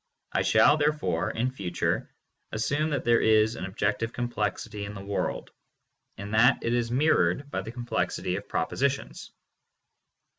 I shall therefore in future as sume that there is an objective complexity in the world, and that it is mirrored by the complexity of propositions.